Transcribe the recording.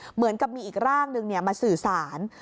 เหมือนกับมีอีกร่างนึงมาสื่อสาร